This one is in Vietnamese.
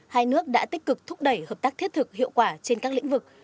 hai nước đã tích cực thúc đẩy hợp tác thiết thực hiệu quả trên các lĩnh vực